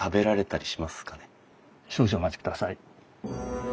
少々お待ちください。